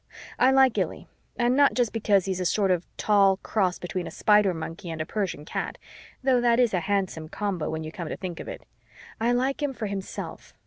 I like Illy and not just because he is a sort of tall cross between a spider monkey and a persian cat though that is a handsome combo when you come to think of it. I like him for himself.